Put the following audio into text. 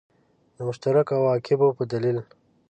د مشترکو عواقبو په دلیل.